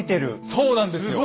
そうなんですよ。